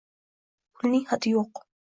pulning hidi yo'q